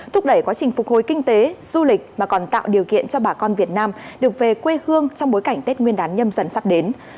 thúc đẩy quá trình phục hồi kinh tế du lịch mà còn tạo điều kiện cho bà con việt nam được về quê hương trong bối cảnh tết nguyên đán nhâm dần sắp đến